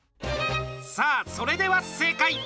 さあ、それでは正解。